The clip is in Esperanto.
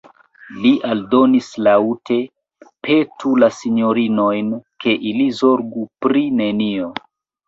Li aldonis laŭte: "Petu la sinjorinojn, ke ili zorgu pri nenio."